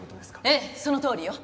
ええそのとおりよ。